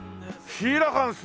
「シーラカンス」！